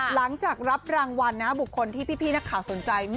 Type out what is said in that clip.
หลังจากรับรางวัลนะบุคคลที่พี่นักข่าวสนใจ